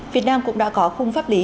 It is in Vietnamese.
việt nam cũng đã có khung pháp lý